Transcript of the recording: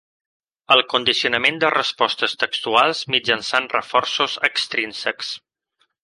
El condicionament de respostes textuals mitjançant reforços "extrínsecs".